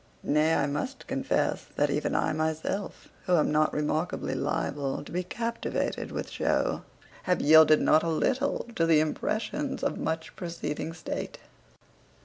Nay, I must confess, that even I myself, who am not remarkably liable to be captivated with show, have yielded not a little to the impressions of much preceding state.